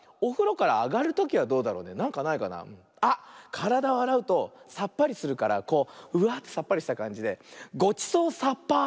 からだをあらうとさっぱりするからこううわってさっぱりしたかんじで「ごちそうさっぱ」ってどう？